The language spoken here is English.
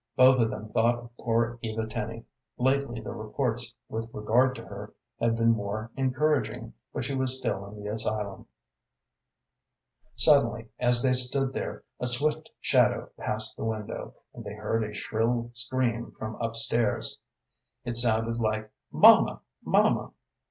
Both of them thought of poor Eva Tenny. Lately the reports with regard to her had been more encouraging, but she was still in the asylum. Suddenly, as they stood there, a swift shadow passed the window, and they heard a shrill scream from up stairs. It sounded like "Mamma, mamma!"